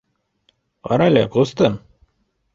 — Ҡарале, ҡустым.